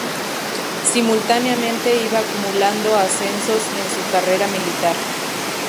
Simultáneamente iba acumulando ascensos en su carrera militar.